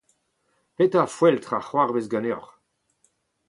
Petra ar foeltr a c’hoarvez ganeoc’h ?